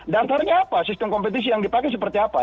dasarnya apa sistem kompetisi yang dipakai seperti apa